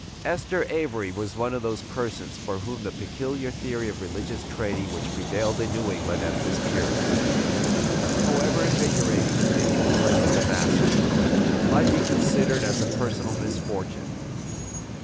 Esther Avery was one of those persons for whom the peculiar theory of religious training which prevailed in New England at this period, however invigorating to the intellect of the masses, might be considered as a personal misfortune.